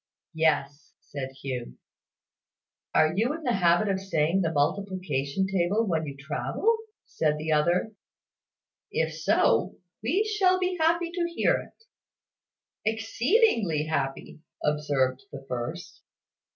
"Yes," said Hugh. "Are you in the habit of saying the multiplication table when you travel?" said the other. "If so, we shall be happy to hear it." "Exceedingly happy," observed the first.